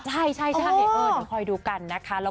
ใช่ทีนี้ค่อยดูกันนะคะ